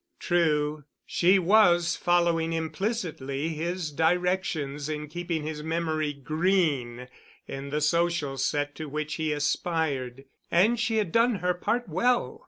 True, she was following implicitly his directions in keeping his memory green in the social set to which he aspired, and she had done her part well.